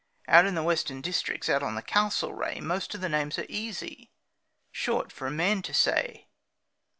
Out in the western districts, out on the Castlereagh Most of the names are easy short for a man to say.